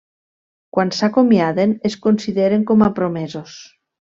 Quan s’acomiaden, es consideren com a promesos.